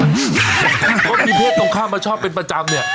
เพราะมีเพศตรงข้ามมาชอบเป็นประจำเนี่ย